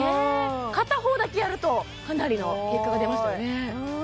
片方だけやるとかなりの結果が出ましたね